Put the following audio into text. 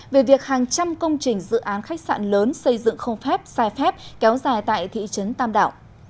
về việc hàng trăm công trình dự án khách sạn lớn xây dựng không phép sai phép kéo dài tại thị trấn tam đảo